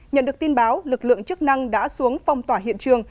nhận được tin báo lực lượng chức năng đã xuống phong tỏa hiện trường